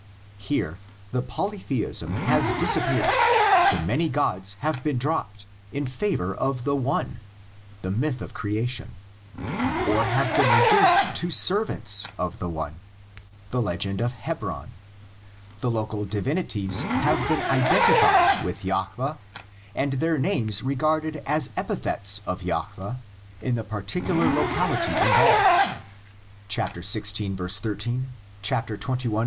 Here the polytheism has disap peared: the many gods have been dropped in favor of the one (the myth of creation), or have been reduced to servants of the one (the legend of Hebron); the local divinities have been identified with Jahveh and their names regarded as epithets of Jahveh in the particular locality involved (xvi. 13; xxi.